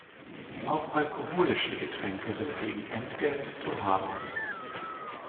Auch alkoholische Getränke sind gegen Entgelt zu haben.